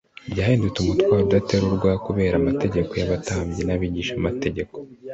ryahindutse umutwaro udaterurwa kubera amategeko y'abatambyi n'abigishamategeko.